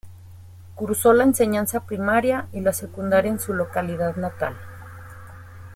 Cursó la enseñanza primaria y la secundaria en su localidad natal.